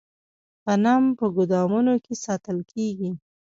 غنم په ګدامونو کې ساتل کیږي.